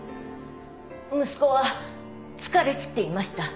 息子は疲れ切っていました。